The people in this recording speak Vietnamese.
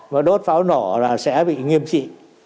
mà đốt pháo nổ là sẽ bị nghiêm trị